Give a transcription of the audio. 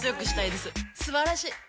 すばらしい！